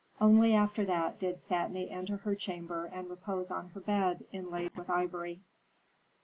Only after that did Satni enter her chamber and repose on her bed, inlaid with ivory."